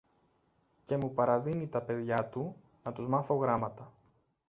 και μου παραδίνει τα παιδιά του να τους μάθω γράμματα.